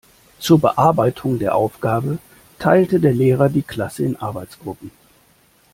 Zur Bearbeitung der Aufgabe teilte der Lehrer die Klasse in Arbeitsgruppen.